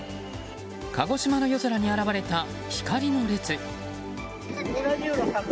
鹿児島の夜空に現れた光の列。